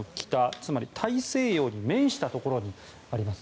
つまり大西洋に面したところにあります。